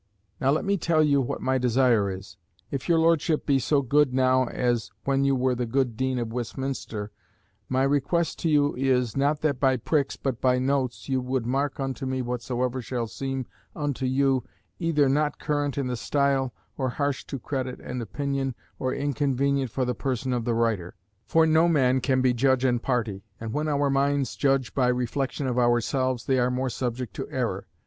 Now let me tell you what my desire is. If your Lordship be so good now as when you were the good Dean of Westminster, my request to you is, that not by pricks, but by notes, you would mark unto me whatsoever shall seem unto you either not current in the style, or harsh to credit and opinion, or inconvenient for the person of the writer; for no man can be judge and party, and when our minds judge by reflection of ourselves, they are more subject to error.